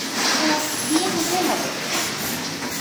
তো, বিয়ে কোথায় হবে?